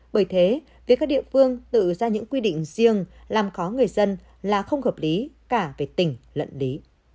bởi thế việc các địa phương tự ra những quy định riêng làm khó người dân là không hợp lý cả về tình lẫn lý